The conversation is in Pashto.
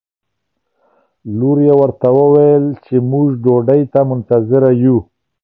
لور یې ورته وویل چې موږ ډوډۍ ته منتظره یو.